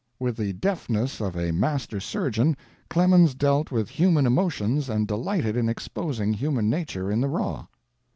With the deftness of a master surgeon Clemens dealt with human emotions and delighted in exposing human nature in the raw.